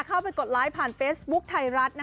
เข้าไปกดไลท์ผ่านเฟซบุ๊คไทยรัฐ